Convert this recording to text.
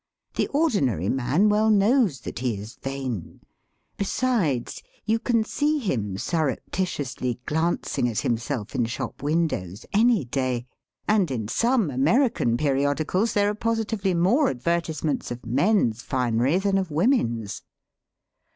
The ordinary man well knows that he is vain. Besides, you can see him surreptitiously glancing at him self in shop windows any day. And in some Amer ican periodicals there are positively more adver tisements of men's finery than of women's.